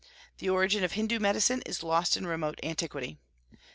The origin of Hindu medicine is lost in remote antiquity.